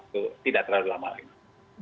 tidak terlalu lama lagi